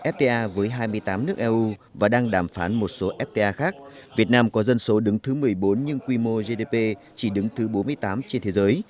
fta với hai mươi tám nước eu và đang đàm phán một số fta khác việt nam có dân số đứng thứ một mươi bốn nhưng quy mô gdp chỉ đứng thứ bốn mươi tám trên thế giới